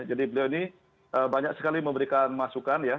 jadi beliau ini banyak sekali memberikan masukan ya